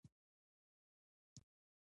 ښتې د افغانستان د صادراتو برخه ده.